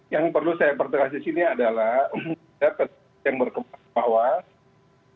yang perlu saya pertengahkan di sini adalah